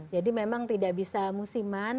jadi memang tidak bisa musiman